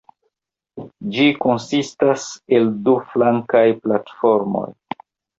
Ĝi konsistas el du flankaj platformoj.